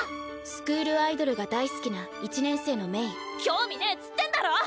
スクールアイドルが大好きな１年生のメイ興味ねっつってんだろ！